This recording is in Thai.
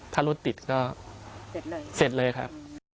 ถ้ารถติดก็เสร็จเลยครับ